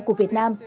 của việt nam